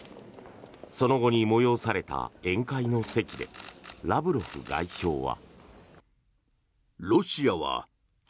その後に催された宴会の席でラブロフ外相は。